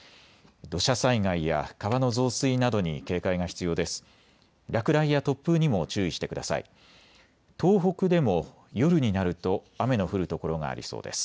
土砂災害や川の増水などに警戒が必要です。